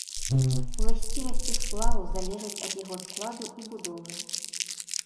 Уласцівасці сплаву залежаць ад яго складу і будовы.